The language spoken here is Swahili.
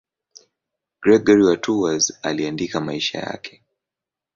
Gregori wa Tours aliandika maisha yake.